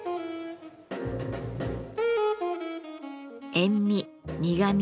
塩味苦み